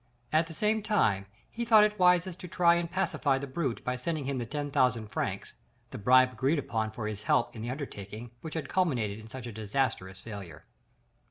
At the same time he thought it wisest to try and pacify the brute by sending him the ten thousand francs the bribe agreed upon for his help in the undertaking which had culminated in such a disastrous failure.